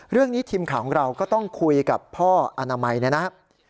เรื่องนี้ทีมข่าวของเราก็ต้องคุยกับพ่ออนามัยนะครับ